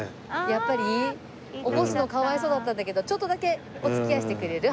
やっぱり？起こすのかわいそうだったんだけどちょっとだけお付き合いしてくれる？